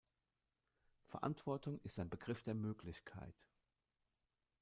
Verantwortung ist ein Begriff der Möglichkeit.